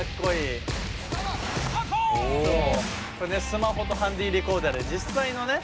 スマホとハンディーレコーダーで実際のね